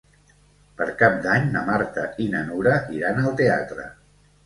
Per Cap d'Any na Marta i na Nura iran al teatre.